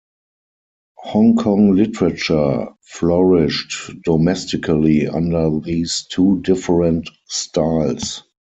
Hong Kong literature flourished domestically under these two different styles.